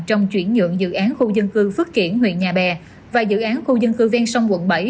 trong chuyển nhượng dự án khu dân cư phước kiển huyện nhà bè và dự án khu dân cư ven sông quận bảy